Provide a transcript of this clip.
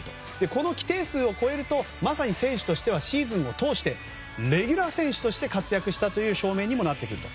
この規定数を超えるとまさに選手としてはシーズンを通してレギュラー選手として活躍したという証明にもなってくると。